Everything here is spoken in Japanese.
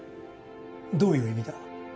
どういう意味だ？